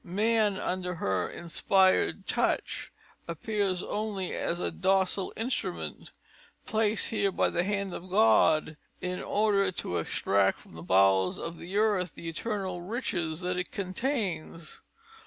Man, under her inspired touch, appears only as a docile instrument, placed here by the hand of God in order to extract from the bowels of the earth the eternal riches that it contains.